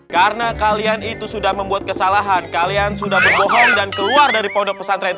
karena kalian itu sudah membuat kesalahan kalian sudah berbohong dan keluar dari pondok pesantren